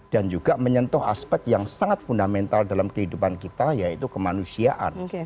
dan juga menyentuh aspek yang sangat fundamental dalam kehidupan kita yaitu kemanusiaan